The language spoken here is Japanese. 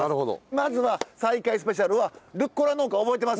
まずは「再会スペシャル」はルッコラ農家覚えてます？